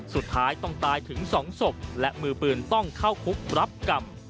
สุดท้ายต้องตายถึง๒ศพและมือปืนต้องเข้าคุกรับกรรม